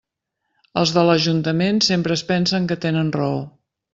Els de l'ajuntament sempre es pensen que tenen raó.